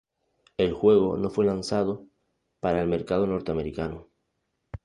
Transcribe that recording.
El juego no fue lanzado para el mercado norteamericano.